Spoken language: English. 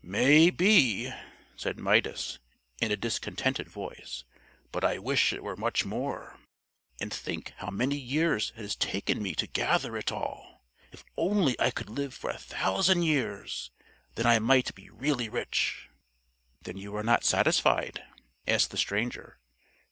"May be," said Midas in a discontented voice, "but I wish it were much more; and think how many years it has taken me to gather it all! If only I could live for a thousand years, then I might be really rich. "Then you are not satisfied?" asked the stranger.